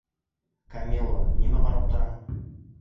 Камила, нимә ҡарап тораһың?